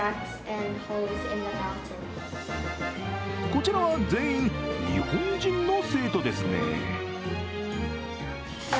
こちらは全員、日本人の生徒ですね。